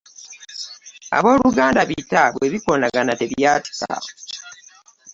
Abooluganda bita bwe bikoonagana tebyatika.